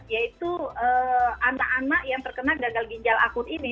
yaitu anak anak yang terkena gagal ginjal akut ini